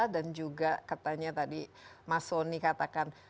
dan juga katanya tadi mas soni kata